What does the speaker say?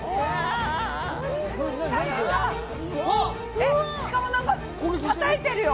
えっしかもなんかたたいてるよ！